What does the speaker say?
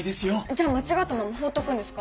じゃあ間違ったまま放っとくんですか？